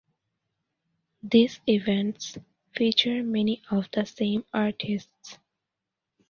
These events feature many of the same artists.